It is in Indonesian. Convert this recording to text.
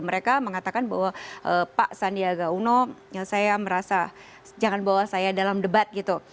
mereka mengatakan bahwa pak sandiaga uno yang saya merasa jangan bawa saya dalam debat gitu